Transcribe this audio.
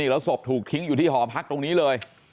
แล้วศพถูกทิ้งอยู่ที่หอพักตรงนี้เลย